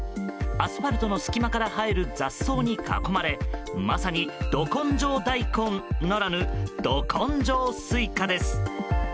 アスファルトの隙間から生える雑草に囲まれまさに、ど根性大根ならぬど根性スイカです。